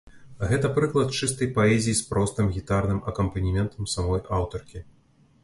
Гэта прыклад чыстай паэзіі з простым гітарным акампанементам самой аўтаркі.